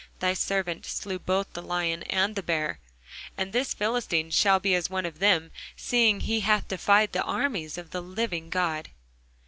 Thy servant slew both the lion and the bear: and this Philistine shall be as one of them, seeing he hath defied the armies of the living God.